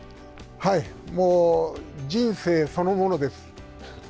もう人生そのものです。